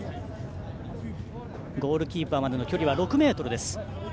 ゴールキーパーまでの距離は６ｍ。